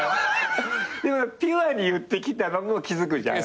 でもピュアに言ってきたのも気付くじゃん。